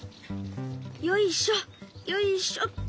よいしょよいしょっと。